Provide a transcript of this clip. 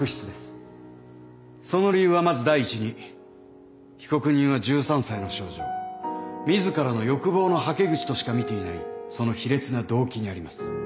その理由はまず第１に被告人は１３歳の少女を自らの欲望のはけ口としか見ていないその卑劣な動機にあります。